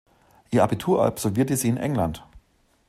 Ihr Abitur absolvierte sie in England.